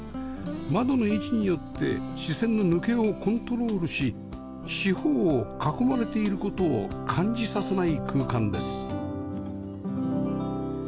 窓の位置によって視線の抜けをコントロールし四方を囲まれている事を感じさせない空間です